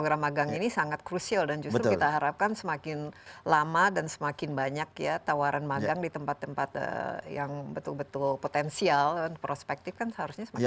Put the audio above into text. program magang ini sangat krusial dan justru kita harapkan semakin lama dan semakin banyak ya tawaran magang di tempat tempat yang betul betul potensial dan prospektif kan seharusnya semakin